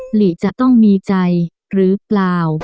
หลีจะต้องมีใจหรือเปล่า